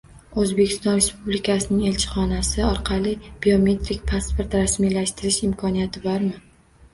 O‘zbekiston Respublikasining elchixonasi orqali biometrik pasport ramiylashtirish imkoniyati bormi?